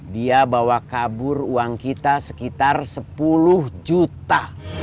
dia bawa kabur uang kita sekitar sepuluh juta